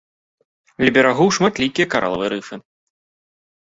Ля берагоў шматлікія каралавыя рыфы.